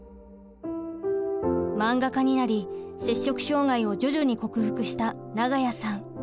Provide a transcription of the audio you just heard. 漫画家になり摂食障害を徐々に克服した永谷さん。